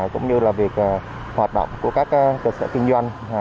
cũng như là việc hoạt động của các cơ sở kinh doanh